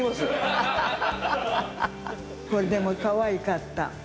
これでも、かわいかった。